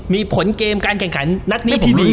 มีผลเกมการแข่งขันนัดนี้ที่ดี